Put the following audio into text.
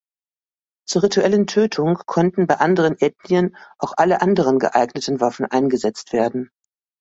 Zur rituellen Tötung konnten bei anderen Ethnien auch alle anderen geeigneten Waffen eingesetzt werden.